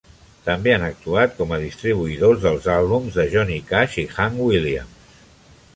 També han actuat com a distribuïdors dels àlbums de Johnny Cash i Hank Williams.